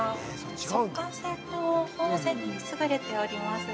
速乾性と保温性にすぐれております。